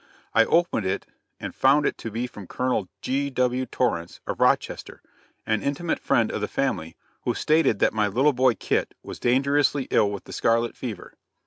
I opened it and found it to be from Colonel G.W. Torrence, of Rochester, an intimate friend of the family, who stated that my little boy Kit was dangerously ill with the scarlet fever.